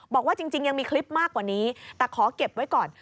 บอกว่าจริงยังมีคลิปมากกว่านี้แต่ขอเก็บไว้ก่อน